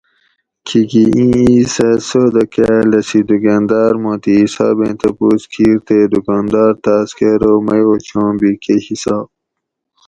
کھیکی اِیں اِیس اۤ سودہ کاۤ لسی دُکاۤنداۤر ماتھی حسابیں تپوس کِیر تے دُکاندار تاۤس کہ اۤرو میٔو چھاں بھی کہ حِساب